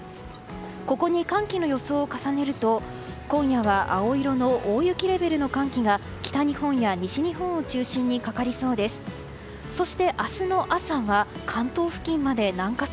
ここに寒気の予想を重ねると今夜は青色の大雪レベルの寒気が北日本や西日本を中心にかかりそうです。